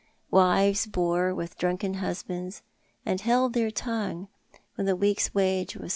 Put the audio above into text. Wives bore with drunken husbands, and held their tongue when the week's wage was